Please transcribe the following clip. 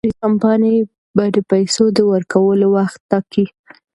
انګریزي کمپانۍ به د پیسو د ورکولو وخت ټاکي.